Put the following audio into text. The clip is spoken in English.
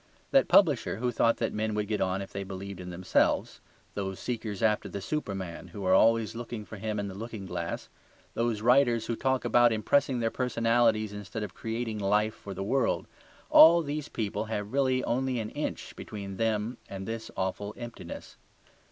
That publisher who thought that men would get on if they believed in themselves, those seekers after the Superman who are always looking for him in the looking glass, those writers who talk about impressing their personalities instead of creating life for the world, all these people have really only an inch between them and this awful emptiness.